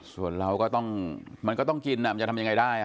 ส่วนเราก็ต้องมันก็ต้องกินมันจะทำยังไงได้